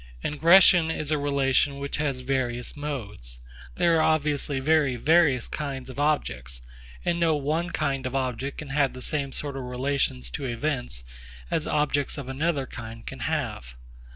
Ingression is a relation which has various modes. There are obviously very various kinds of objects; and no one kind of object can have the same sort of relations to events as objects of another kind can have.